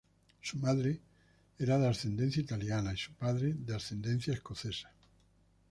Su madre era de ascendencia italiana y su padre de ascendencia escocesa.